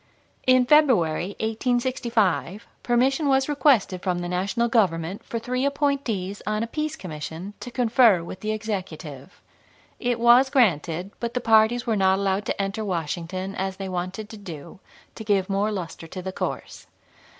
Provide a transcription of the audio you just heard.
In February, 1865, permission was requested from the National Government for three appointees on a peace commission to confer with the Executive. It was granted, but the parties were not allowed to enter Washington, as they wanted to do, to give more luster to the course.